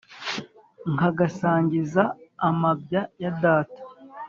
nkagasangiza amabya ya data